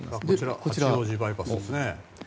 こちら八王子バイパスですね。